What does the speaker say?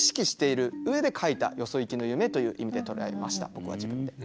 僕は自分で。